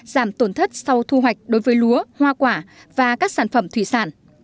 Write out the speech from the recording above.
giảm tổn thất sau thu hoạch đối với lúa hoa quả và các sản phẩm thủy sản